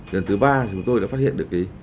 lần thứ ba chúng tôi đã phát hiện được cái